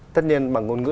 tất nhiên bằng ngôn ngữ